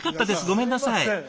ごめんなさい。